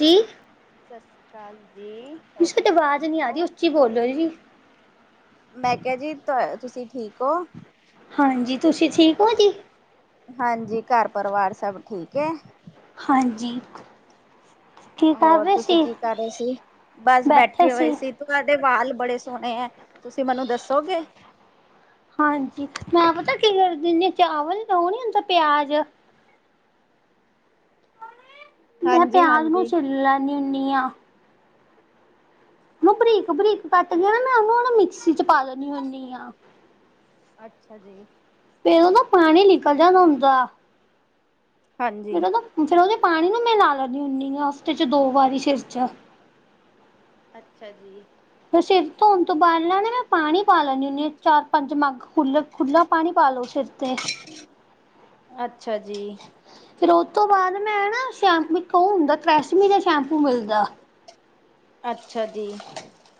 ਜੀ, ਸਤਿ ਸ਼੍ਰੀ ਅਕਾਲ ਜੀ, ਤੁ ਹੋਰ ਤੇ ਤੁਸੀਂ ਆਵਾਜ਼ ਨੀ ਠੀਕ ਆ ਰਦੀ ਹੋ? ਉੱਚੀ ਬੋਲੋ ਜੀ। ਮੈਂ ਕਿਹਾ ਜੀ ਤੁ ਤੁਸੀਂ ਠੀਕ ਹੋ? ਹਾਂਜੀ, ਤੁਸੀਂ ਠੀਕ ਹੋ ਜੀ? ਹਾਂਜੀ, ਘਰ ਪਰਿਵਾਰ ਸਭ ਠੀਕ ਹੈ? ਹਾਂਜੀ, ਕੀ ਕਰ ਹੋਰ ਰਹੇ ਤੁਸੀਂ ਸੀ ਕੀ ਕਰ ਰਹੇ ਸੀ? ਬਸ ਬੈਠੇ ਹੋਏ ਸੀ। ਤੁਹਾਡੇ ਵਾਲ ਬੜੇ ਸੋਹਣੇ ਹੈ, ਤੁਸੀਂ ਮੈਨੂੰ ਦੱਸੋਗੇ? ਹਾਂਜੀ ਮੈਂ ਪਤਾ ਕੀ ਕਰ ਦਦੀ ਚਾਵਲ ਲਓ, ਨੀ ਹੁੰਦਾ ਪਿਆਜ ਮੈਂ ਹਾਂਜੀ ਪਿਆਜ ਨੂੰ ਹਾਂਜੀ। ਛਿੱਲ ਲੈਂਦੀ ਹੁੰਦੀ ਹਾ ਬਰੀਕ ਬਰੀਕ ਕੱਟ ਕੇ ਨਾ ਮੈਂ ਮਿਕਸੀ ਚ ਪਾ ਲੇਦੀ ਹੁੰਦੀ ਆ। ਅੱਛਾ ਜੀ। ਫਿਰ ਉਹਦਾ ਪਾਣੀ ਨਿਕਲ ਜਾਂਦਾ ਹੁੰਦਾ ਫ ਹਾਂਜੀ। ਫੇਰ ਉਹਦੇ ਪਾਣੀ ਨੂੰ ਮੈਂ ਲਾ ਲੈਂਦੀ ਹੁੰਦੀ ਹਾ, ਹਫ਼ਤੇ ਚ ਦੋ ਵਾਰੀ ਸਿਰ ਚ ਅੱਛਾ ਜੀ। ਸਿਰ ਧੋਣ ਤੋਂ ਬਾਲਾ ਤੇ ਮੈਂ ਪਾਣੀ ਪਾ ਲੈਦੀ ਹੁੰਦੀ ਹਾਂ, ਚਾਰ ਪੰਜ ਮੱਗ ਖੁਲਾ-ਖੁਲਾ ਪਾਣੀ ਪਾ ਲਓ ਸਿਰ ਤੇ, ਅੱਛਾ ਜੀ, ਫਿਰ ਉਹ ਤੋਂ ਬਾਅਦ ਮੈਂ ਨਾ ਸ਼ੈਂਸ਼ਕ ਉਹ ਹੁੰਦਾ ਤ੍ਰੈਸਮੀ ਦਾ ਸ਼ੈਂਪੂ ਮਿਲਦਾ। ਅੱਛਾ ਜੀ।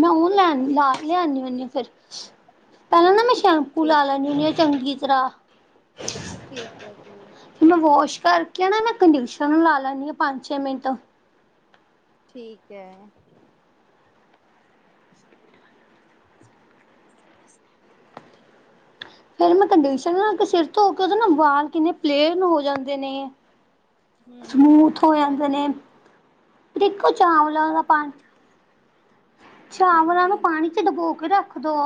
ਮੈਂ ਉਹ ਲੈਨ ਲਾ ਲਿਆਦੀ ਆ, ਫਿਰ ਪਹਿਲਾਂ ਨਾ ਮੈਂ ਸ਼ੈਂਪੂ ਠੀਕ ਲਾ ਲੈਦੀ। ਚੰਗੀ ਤਰ੍ਹਾਂ ਠੀਕ ਹੈ ਜੀ। ਮੈਂ ਵਾਸ਼ ਕਰਕੇ ਨਾ ਮੈਂ ਕੰਡੀਸ਼ਨਰ ਨੂੰ ਲਾ ਲੈੈਂਦੀ ਹਾਂ, ਪੰਜ ਛੇ ਮਿੰਟ ਠੀਕ ਹੈ। ਫਿਰ ਮੈਂ ਕੰਡਿਸ਼ਨਰ ਲਾ ਕੇ ਸਿਰ ਧੋ ਕੇ ਤੇ ਬਾਲ ਕਿੰਨੇ ਪਲੇਨ ਹੋ ਜਾਂਦੇ ਨੇ, ਸਮੂਥ ਹੂੰ, ਹੋ ਜਾਂਦੇ ਨੇ, ਹਾਂਜੀ, ਏਕੋ ਚਾਵਲਾ ਦਾ ਪਾਣੀ ਚਾਵਲਾਂ ਨੂੰ ਹਾਂਜੀ, ਪਾਣੀ 'ਚ ਡਬੋ ਕੇ ਰੱਖ ਦੋ।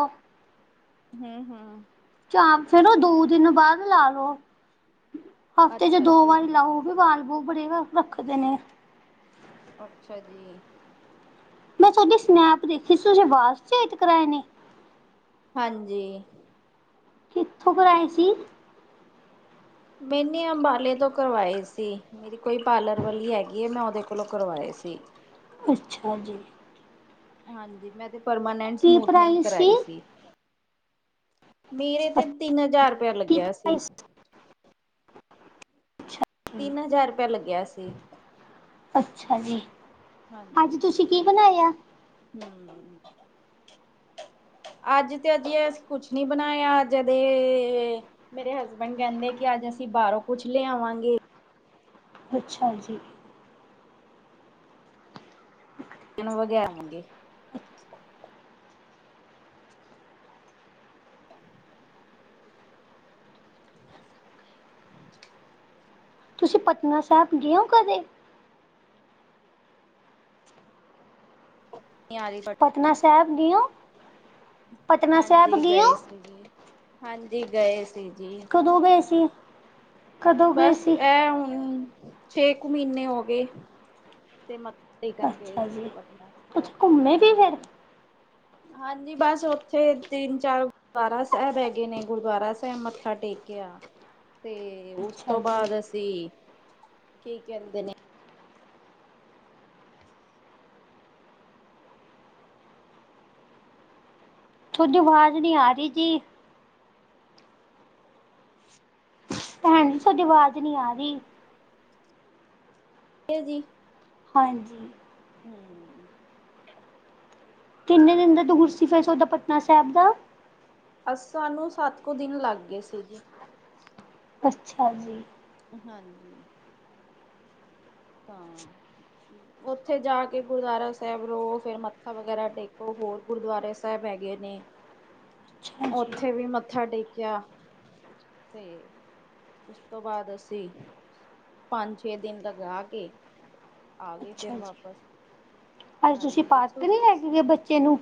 ਹਮ ਹਮ ਚਆਂਮਚੇ ਨੂੰ ਦੋ ਦਿਨ ਬਾਅਦ ਲਾ ਲੋ ਹਫ਼ਤੇ ਚ ਅੱਛਾ ਦੋ ਜੀ, ਵਾਰੀ ਲਾਓ ਉਹ ਵੀ ਵਾਲ ਬੋ ਬੜੇ ਰੱਖਦੇ ਨੇ ਅੱਛਾ ਜੀ ਮੈਂ ਤੁਹਾਡੀ ਸਨੈਪ ਦੇਖੀ ਸੀ। ਤੁਸੀਂ ਬਾਲ ਸਟੇਟ ਕਰਵਾਏ ਨੇਂ। ਹਾਂਜੀ। ਕਿੱਥੋਂ ਕਰਾਏ ਸੀ। ਮੈਨੇ ਅੰਬਾਲੇ ਤੋਂ ਕਰਵਾਏ ਸੀ। ਮੇਰੀ ਕੋਈ ਪਾਰਲਰ ਵਾਲੀ ਹੈਗੀ ਹੇ। ਮੈਂ ਉਹਦੇ ਕੋਲੋਂ ਕਰਵਾਏ ਸੀ। ਅੱਛਾ ਜੀ। ਹਾਂਜੀ ਮੈਂ ਤੇ ਪਰਮਾਨੈਂਟ ਕੀ ਸਮੂਥਨਿੰਗ ਪ੍ਰਾਈਸ ਕਰਾਈ ਸੀ। ਮੇਰੇ ਤੇ ਕੀ ਤਿੰਨ ਹਜ਼ਾਰ ਰੁਪਇਆ ਲੱਗਿਆ ਸੀ। ਪ੍ਰਾਈਸ ਅੱਛਾ ਜੀ ਤਿੰਨ ਹਜ਼ਾਰ ਰੁਪਆ ਲੱਗਿਆ ਸੀ ਹਾਂਜੀ ਤੂੰ ਕੀ ਬਣਾਇਆ। ਹਮ ਮ ਅੱਜ ਤੇ ਅਜੇ ਅਂ ਕੁਛ ਨੀ ਬਣਾਇਆ ਅੱਜਦੇ ਮੇਰੇ ਹਸਬੈਂਡ ਕਹਿੰਦੇ ਕਿ ਅੱਜ ਅਸੀਂ ਬਾਹਰੋਂ ਕੁੱਛ ਲਿਆਵਾਂਗੇ। ਅੱਛਾ ਜੀ। ਨੋ ਵੱਜੇ ਆਂਗੇ ਹ ਚ ਤੁਸੀਂ ਪਟਨਾ ਸਾਹਿਬ ਗਏ ਹੋ ਕਦੇ। ਨ ਯਾਰੀ ਪਟਨਾ ਸਾਹਿਬ ਗਏਹੋ। ਹਾਂਜੀ ਗਏ ਹੋ? ਸੀ ਜੀ। ਹਾਂਜੀ ਗਏ ਸੀ ਜੀ। ਦਕਦੋ ਗਏ ਸੀ। ਕਦੋਂ ਗਏ ਬਸ ਸੀ? ਇਹ ਹੁਣ ਛੇ ਕੁ ਮਹੀਨੇ ਹੋ ਗਏ। ਤੇ ਮੱਥਾ ਟੇਕਣ ਗਏ ਅੱਛਾ ਸ੍ਰ ਜੀ। ਪਟਨਾ ਤੁਸੀਂ ਘੁੰਮੇ ਵੀ ਫਿਰ? ਹਾਂਜੀ। ਹਾਂਜੀ ਬਸ ਉੱਥੇ ਤਿੰਨ ਚਾਰ। ਗੁਰਦੁਆਰਾ ਸਾਹਿਬ ਹੈਗੇ ਨੇ ਗੁਰਦੁਆਰਾ ਸਾਹਿਬ ਮੱਥਾ ਟੇਕਿਆ ਤੇ। ਤੇ ਉਸ ਅੱਛਾ ਤੋਂ ਜੀ ਬਾਅਦ ਅਸੀਂ, ਕੀ ਕਹਿੰਦੇ ਨੇ ਤੁਹਾਡੀ ਆਵਾਜ਼ ਨਹੀਂ ਆ ਰਹੀ ਜੀ। ਭੈਣ ਤੁਹਾਡੀ ਆਵਾਜ਼ ਨੀ ਆ ਰਹੀ। ਜੀ। ਹਾਂਜੀ। ਹਮ ਕਿੰਨੇ ਦਿਨ ਦਾ ਤੂਰ ਸੀ ਤੁਆਡਾ ਪਟਨਾ ਸਾਹਿਬ ਦਾ। ਅ ਸਾਨੂੰ ਸੱਤ ਕੁ ਦਿਨ ਲੱਗ ਗਏ ਸੀ ਜੀ। ਅੱਛਾ ਜੀ। ਹਾਂਜੀ। ਹਾਂ ਉੱਥੇ ਜਾ ਕੇ ਗੁਰਦੁਆਰਾ ਸਾਹਿਬ ਰਹੋ ਫੇਰ ਮੱਥਾ ਵਗੈਰਾ ਟੇਕੋ ਹੋਰ ਗੁਰਦੁਆਰੇ ਸਾਹਿਬ ਹੈਗੇ ਨੇ। ਅੱਛਾ ਜੀ ਉੱਥੇ ਵੀ ਮੱਥਾ ਟੇਕਿਆ ਤੇ ਉਸ ਤੋਂ ਬਾਅਦ ਅਸੀਂ ਪੰਜ ਛੇ ਦਿਨ ਲਗਾ ਕੇ ਆ ਗਏ ਫਿਰ ਅੱਛਾ ਜੀ ਵਾਪਸ ਹਾਂਜੀ। ਸੀਗੇ ਬੱਚੇ ਨੂੰ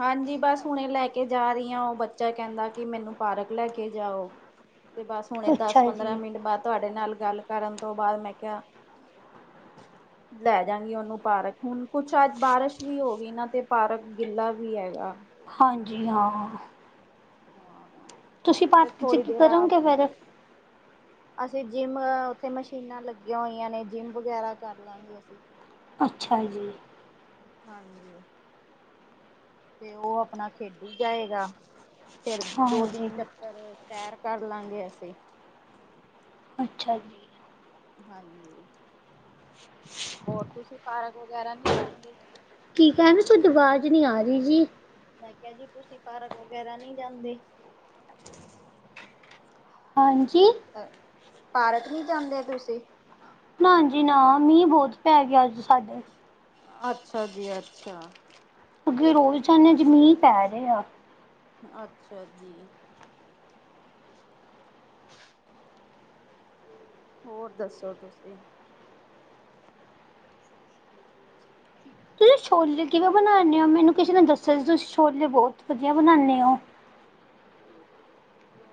ਹਾਂਜੀ ਬਸ ਹੁਣੇ ਲੈ ਕੇ ਜਾ ਰਹੀ ਹਾਂ, ਉਹ ਬੱਚਾ ਕਹਿੰਦਾ ਕਿ ਮੈਨੂੰ ਪਾਰਕ ਲੈ ਕੇ ਜਾਓ। ਤੇ ਬਸ ਹੁਣੇ ਦਸ ਅੱਛਾ ਪੰਦਰਾਂ ਜੀ ਮਿੰਟ ਬਾਅਦ ਤੁਹਾਡੇ ਨਾਲ ਗੱਲ ਕਰਨ ਤੋਂ ਬਾਅਦ ਮੈਂ ਕਿਹਾ ਲੈ ਜਾਗੀ ਉਹਨੂੰ ਪਾਰਕ। ਹੁਣ ਕੁਛ ਅੱਜ ਬਾਰਿਸ਼ ਵੀ ਹੋ ਗਈ ਨਾ ਤੇ ਪਾਰਕ ਗਿੱਲਾ ਵੀ ਹੈਗਾ। ਹਾਂਜੀ। ਹਾਂ। ਹਾਂ ਤੁਸੀਂ ਫਿਰ ਪਾਰਟੀ ਚ' ਥੋੜ੍ਹੀ ਕੀ ਦੇਰ ਆ ਕਰੋਗੇ ਫੇਰ। ਅਸੀਂ ਜਿੰਮ ਉੱਥੇ ਮਸ਼ੀਨਾਂ ਲੱਗੀਆਂ ਹੋਈਆਂ ਨੇ ਜਿੰਮ ਵਗੈਰਾ ਕਰ ਲਾ ਗੇ ਅਸੀਂ। ਅੱਛਾ ਜੀ। ਹਾਂਜੀ। ਤੇ ਉਹ ਆਪਣਾ ਖੇਡੀ ਜਾਏਗਾ। ਫੇਰ ਦੋ, ਹਾਂਜੀ ਤਿੰਨ ਚੱਕਰ ਸੈਰ ਕਰ ਲਾ ਗੇ ਅਸੀਂ। ਅੱਛਾ ਜੀ। ਹਾਂਜੀ। ਹੋਰ ਤੁਸੀਂ ਪਾਰਕ ਵਗੈਰਾ ਨਹੀਂ ਜਾਂਦੇ? ਠੀਕ ਹੈ ਐਵੇ ਤੁਹਾਡੀ ਆਵਾਜ਼ ਨਹੀਂ ਆ ਰਹੀ ਜੀ। ਮੈਂ ਕਿਹਾ ਜੀ ਤੁਸੀਂ ਪਾਰਕ ਵਗੈਰਾ ਨਹੀਂ ਜਾਂਦੇ? ਹਾਂਜੀ। ਪਾਰਕ ਨਹੀਂ ਜਾਂਦੇ ਤੁਸੀਂ? ਨਾ ਜੀ ਨਾ ਮੀਂਹ ਬਹੁਤ ਪੈ ਗਿਆ ਅੱਜ ਸਾਡੇ। ਅੱਛਾ ਜੀ, ਅੱਛਾ। ਅੱਗੇ ਰੋਜ਼ ਜਾਂ ਚ' ਹਮ ਮੀਂਹ ਪੈ ਰਹੇ ਆ। ਅੱਛਾ ਜੀ। ਹੋਰ ਦੱਸੋ ਤੁਸੀਂ? ਤੁਸੀਂ ਛੋਲੇ ਕਿਵੇਂ ਬਣਾਂਦੇ ਹੋ ਮੈਨੂੰ ਕਿਸੇ ਨੇ ਦੱਸਿਆ ਸੀ ਤੁਸੀਂ ਛੋਲੇ ਬਹੁਤ ਵਧੀਆ ਬਣਾਂਦੇ ਹੋ। [inaudible]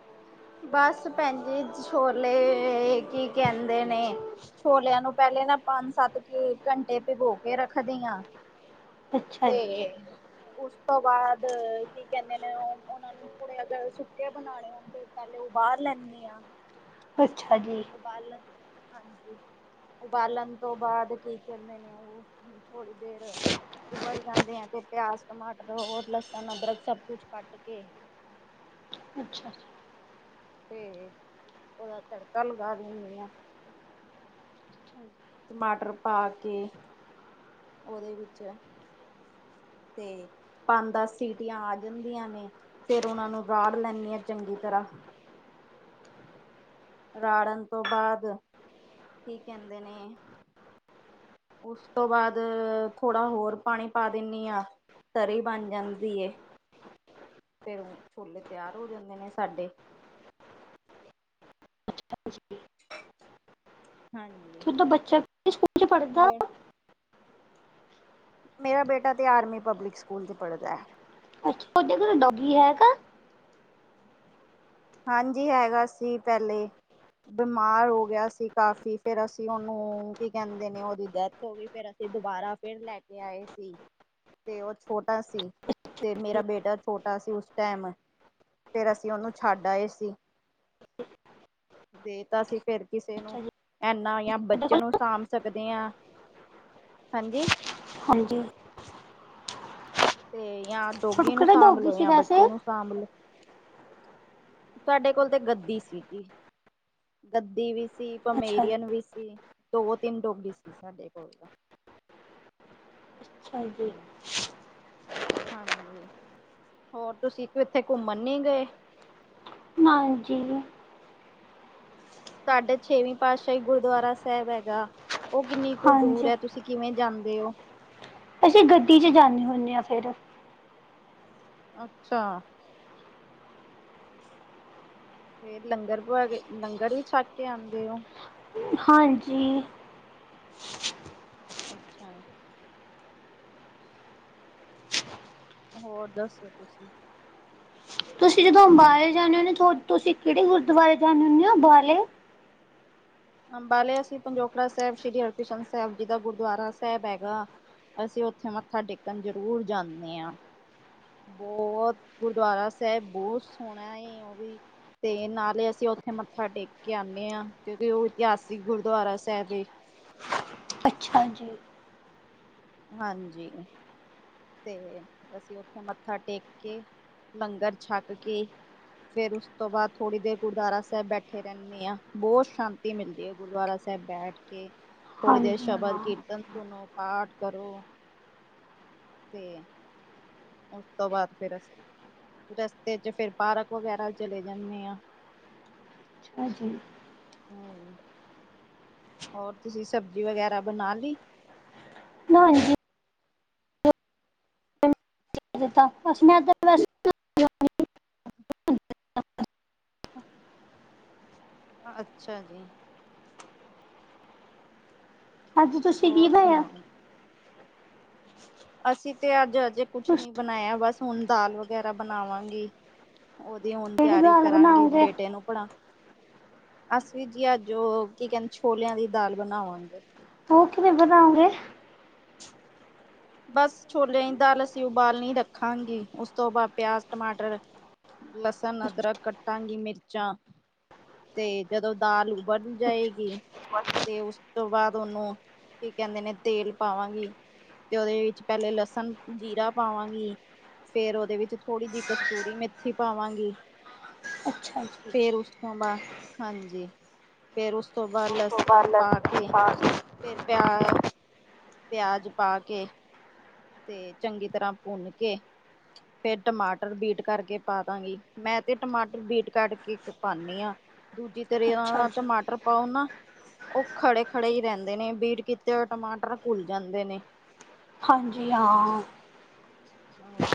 ਬਸ ਭੈਣ ਜੀ ਛੋਲੇ, ਕੀ ਕਹਿੰਦੇ ਨੇ। ਛੋਲਿਆਂ ਨੂੰ ਪਹਿਲੇ ਨਾ ਪੰਜ- ਸੱਤ ਘੰਟੇ ਭਿਗੋ ਕੇ ਰੱਖਦੀ ਹਾਂ। ਅੱਛਾ ਜੀ ਤੇ ਉਸ ਤੋਂ ਬਾਅਦ ਕੀ ਕਹਿੰਦੇ ਨੇ ਉਹ ਉਹਨਾਂ ਨੂੰ ਥੋੜੇ ਅੱਗੇ ਸੁੱਕੇ ਬਣਾਉਣੇ ਆ। ਪਹਿਲੇ ਉਹ ਬਾਹਰ ਲੈਂਦੇ ਆ। ਅੱਛਾ ਜੀ। ਉਬਾਲਣ ਹਾਂਜੀ। ਉਬਾਲਣ ਤੋਂ ਬਾਅਦ ਕੀ ਕਹਿੰਦੇ ਨੇ ਉਹ ਹਮ, ਥੋੜ੍ਹੀ ਦੇਰ ਉਬਲ ਜਾਂਦੇ ਆ ਤੇ ਪਿਆਜ, ਟਮਾਟਰ ਹੋਰ ਲਸਣ, ਅਦਰਕ ਸਭ ਕੁਛ ਕੱਟ ਕੇ ਅੱਛਾ। ਤੇ ਉਹਦਾ ਤੜਕਾ ਲਗਾ ਦਿਨੀ ਆ। ਟਮਾਟਰ ਪਾ ਕੇ ਉਹਦੇ ਵਿੱਚ ਤੇ ਪੰਜ- ਦਸ ਸੀਟੀਆਂ ਆ ਜਾਂਦੀਆਂ ਨੇ। ਫੇਰ ਉਹਨਾਂ ਨੂੰ ਰਾੜ ਲੈਨੀ ਆ ਚੰਗੀ ਤਰ੍ਹਾਂ। ਰੜਨ ਤੋਂ ਬਾਅਦ, ਕੀ ਕਹਿੰਦੇ ਨੇ, ਉਸ ਤੋਂ ਬਾਦ ਥੋੜਾ ਹੋਰ ਪਾਣੀ ਪਾ ਦਿੰਣੀ ਆਂ, ਤਰੀ ਬਣ ਜਾਂਦੀ ਏ। ਫੇਰ ਅ ਛੋਲੇ ਤਿਆਰ ਹੋ ਜਾਂਦੇ ਨੇ ਸਾਡੇ। ਹਾਂਜੀ। ਤ ਬੱਚਾ ਸਕੂਲ ਕੇੜੇ ਚ' ਪੜ੍ਹਦਾ? ਹੋਰ ਮੇਰਾ ਬੇਟਾ ਤੇ ਆਰਮੀ ਪਬਲਿਕ ਸਕੂਲ 'ਚ ਪੜ੍ਹਦਾ। ਅੱਛਾ, ਤਹਾਡੇ ਘਰੇ ਡੋਰੀ ਹੈਗਾ? ਹਾਂਜੀ ਹੈਗਾ ਸੀ, ਪੈਲੇ। ਬਿਮਾਰ ਹੋ ਗਿਆ ਸੀ ਕਾਫੀ, ਫੇਰ ਅਸੀਂ ਔਨੂੰ ਕੀ ਕੈੰਦੇ ਨੇ, ਓਹਦੀ ਡੈਥ ਹੋ ਗਈ। ਫੇਰ ਅਸੀਂ ਦੁਬਾਰਾ ਫੇਰ ਲੈ ਕੇ ਆਏ ਸੀ। ਤੇ ਔ ਛੋਟਾ ਸੀ। ਤੇ ਮੇਰਾ ਬੇਟਾ ਛੋਟਾ ਸੀ, ਉਸ ਟੈਮ। ਫੇਰ ਅਸੀਂ ਔਨੂੰ ਛੱਡ ਆਏ ਸੀ। ਦੇਤਾ ਸੀ ਫੇਰ ਕਿਸੇ ਨੂੰ। ਅੱਛਾ ਜੀ ਐਨਾ ਯਾ ਤੁਹਾਡੇ ਬੱਚਿਆਂ ਕੋਲ ਨੂੰ ਸਾਂਭ ਸਕਦੇ ਆਂ, ਹਾਂਜੀ। ਹਾਂਜੀ। ਤੇ ਯਾ ਤੁਹਾਨੂੰ ਡੋਗੀ ਨੂੰ ਕਿਹੜਾ ਸਾਂਭ ਡੋਗੀ ਲੋ ਸੀ ਯਾ ਵੈਸੇ ਬੱਚੇ ਨੂੰ ਸਾਂਭ ਲੋ। ਤਵਾਡੇ ਕੋਲ ਤੇ ਗੱਦੀ ਸੀ ਜੀ, ਗੱਦੀ ਵੀ ਸੀ। ਅੱਛਾ ਪਮੇਰੀਅਨ ਜੀ ਵੀ ਸੀ, ਦੋ-ਤਿੰਨ ਡੋਗੀ ਸੀ ਸਾਡੇ ਕੋਲ ਤਾਂ। ਅੱਛਾ ਜੀ। ਹਾਂਜੀ ਹੋਰ, ਤੁਸੀਂ ਕਿੱਥੇ ਘੁੰਮਣ ਨੀ ਗਏ? ਨਾਂਜੀ। ਤਾੱਡੇ ਛੇਵੀਂ ਪਾਤਸ਼ਾਹੀ ਗੁਰਦੁਆਰਾ ਸੈਬ ਹੈਗਾ। ਓਹ ਕਿੰਨੀ ਕੁ ਦੂਰ ਹਾਂਜੀ ਹੈ? ਤੁਸੀਂ ਕਿਵੇਂ ਜਾਂਦੇ ਔ? ਅਸੀਂ ਗੱਡੀ ਚ ਜਾਂਣੇ ਹੁੰਣੇ ਆਂ ਫੇਰ। ਅੱਛਾ। ਫੇਰ ਲੰਗਰ ਪਵਾ ਕੇ, ਲੰਗਰ ਵੀ ਛੱਕ ਕੇ ਆਦੇ ਔ? ਹਾਂਜੀ। ਅੱਛਾ। ਹੋਰ ਦੱਸੋ, ਤੁਸੀਂ? ਤੁਸੀਂ ਜਦੋਂ ਅੰਬਾਲੇ ਜਾਂਣੇ ਹੁੰਣੇ, ਥੋ ਤੁਸੀਂ ਕਿੜੇ ਗੁਰਦੁਆਰੇ ਜਾਂਣੇ ਹੁੰਣੋ ਔ ਬਾਲੇ? ਅੰਬਾਲੇ ਅਸੀ ਪੰਜੋਖੜਾ ਸੈਬ ਸ਼੍ਰੀ ਹਰਿਕ੍ਰਿਸ਼ਨ ਸੈਬ ਜੀ ਦਾ ਗੁਰਦੁਆਰਾ ਸੈਬ ਹੈਗਾ। ਅਸੀਂ ਔਥੇ ਮੱਥਾ ਟੇਕਣ ਜ਼ਰੂਰ ਜਾਂਣੇ ਆਂ। ਬਹੌਤ ਗੁਰਦੁਆਰਾ ਸੈਬ ਬੌਤ ਸੋਹਣਾ ਏ, ਓਹ ਵੀ ਤੇ ਨਾਲੇ ਅਸੀਂ ਔਥੇ ਮੱਥਾ ਟੇਕ ਕੇ ਆਣੇ ਆਂ, ਕਿਉਂਕਿ ਓਹ ਇਤਿਹਾਸਿਕ ਗੁਰਦੁਆਰਾ ਸੈਬ ਏ। ਹਾਂਜੀ। ਹਾਂਜੀ। ਤੇ ਅਸੀਂ ਔਥੇ ਮੱਥਾ ਟੇਕ ਕੇ, ਲੰਗਰ ਛੱਕ ਕੇ ਫੇਰ ਉਸ ਤੋਂ ਬਾਦ ਥੋੜ੍ਹੀ ਦੇਰ ਗੁਰਦੁਆਰਾ ਸੈਬ ਬੈਠੇ ਰੈਣ ਤੇ ਆਂ, ਬੌਤ ਸ਼ਾਂਤੀ ਮਿਲਦੀ ਏ ਗੁਰਦੁਆਰਾ ਸੈਬ ਬੈਠ ਕੇ। ਥੋੜ੍ਹੀ ਦੇਰ ਹਾਂਜੀ ਸ਼ਬਦ ਹਾਂ ਕੀਰਤਨ ਸੁਣੋ, ਪਾਠ ਕਰੋ। ਤੇ ਓਸ ਤੋਂ ਬਾਦ ਫੇਰ ਅਸੀਂ ਰਸਤੇ ਚ ਫੇਰ ਪਾਰਕ ਵਗੈਰਾ ਚਲੇ ਜਾਂਣੇ ਆਂ। ਹਾਜੀ। ਹਾਏ ਹੋਰ, ਤੁਸੀਂ ਸਬਜ਼ੀ ਵਗੈਰਾ ਬਣਾ ਲੀ? ਨਾਂਜੀ। ਜਿੱਤਾ ਬਸ ਮੈਂ ਤੇ ਵੈਸੇ [inaudible] ਅੱਛਾ ਜੀ। ਅੱਜ ਤੁਸੀਂ ਕੀ ਹੋਰ ਬਾਯੈ? ਸੁਣਾਓ? ਅਸੀਂ ਤੇ ਅੱਜ ਅਜੇ ਕੁਛ ਨੀ ਤੁਸੀਂ ਬਣਾਯਾ ਬਸ ਹੁਣ, ਦਾਲ ਵਗੈਰਾ ਬਣਾਵਾਂਗੀ। ਓਹਦੀ ਹੋਣ ਕਿਹੜੀ ਤਿਆਰੀ ਦਾਲ ਕਰਾਂਗੀ, ਬਣਾਓਗੇ ਬੇਟੇ ਨੂੰ ਪੜਾ ਅਸੀਂ ਵੀ ਜੀ ਅੱਜ਼ ਉਹ ਕੀ ਕਹਿੰਦੇ ਛੋਲਿਆਂ ਦੀ ਦਾਲ ਬਣਾਵਾਂਗੇ। ਉਹ ਕਿਵੇਂ ਬਣਾਉਗੇ। ਬਸ ਛੋਲਿਆਂ ਦੀ ਦਾਲ ਅਸੀਂ ਉਬਾਲਣੀ ਰੱਖਾਂਗੇ। ਉਸ ਤੋਂ ਬਾਅਦ ਪਿਆਜ਼ ਟਮਾਟਰ। ਲਸਣ ਅਦਰਕ ਕਟਾਂਗੀ ਮਿਰਚਾਂ। ਤੇ ਜਦੋਂ ਦਾਲ ਉਬਲ ਜਾਏਂਗੀ। ਤੇ ਉਸ ਤੋਂ ਬਾਅਦ ਉਹਨੂੰ ਕੀ ਕਹਿੰਦੇ ਨੇਂ ਤੇਲ ਪਾਵਾਂਗੀ। ਤੇ ਉਹਦੇ ਵਿੱਚ ਪਹਿਲੇ ਲਸਣ ਜ਼ੀਰਾ ਪਾਵਾਂਗੀ। ਫ਼ਿਰ ਉਹਦੇ ਵਿੱਚ ਥੋੜ੍ਹੀ ਜਿਹੀ ਕਸਤੂਰੀ ਮੇਥੀ ਪਾਵਾਂਗੀ। ਅੱਛਾ ਜੀ ਫ਼ਿਰ ਉਸ ਤੋਂ ਬਾਅਦ ਹਾਂਜੀ, ਫ਼ਿਰ ਉਸ ਤੋਂ ਬਾਅਦ ਤੋਂ ਲਸਣ ਬਾਅਦ ਪਾ ਕੇ ਲਸਣ ਪਾ ਕੇ ਫ਼ਿਰ ਪਿਆਜ਼ ਪਿਆਜ਼ ਪਾ ਕੇ। ਤੇ ਚੰਗੀ ਤਰ੍ਹਾਂ ਭੁੰਨ ਕੇ। ਫ਼ਿਰ ਟਮਾਟਰ ਬੀਟ ਕਰਕੇ ਪਾ ਦਾਂਗੀ। ਮੈਂ ਤੇ ਟਮਾਟਰ ਬੀਟ ਕਢਕੇ ਪਾਂਨੀ ਆ। ਦੂਜੀ ਅੱਛਾ ਤਰਿਆ ਜੀ ਟਮਾਟਰ ਪਾਓ ਨਾ। ਉਹ ਖ਼ੜੇ ਖ਼ੜੇ ਹੀ ਰਹਿੰਦੇਂ ਨੇਂ ਬੀਟ ਕੀਤੇ ਹੋਏ ਟਮਾਟਰ ਘੁੱਲ ਜਾਂਦੇ ਨੇਂ। ਹਾਂਜੀ, ਹਾਂ। ਹਾਂ।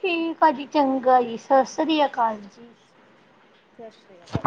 ਠੀਕ ਆ ਜੀ। ਚੰਗਾ ਜੀ ਸਸਰੀ ਆ ਅਕਾਲ ਜੀ। ਸਤਿ ਸ਼੍ਰੀ ਅਕਾਲ।